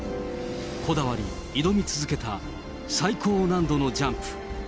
こだわり、挑み続けた最高難度のジャンプ。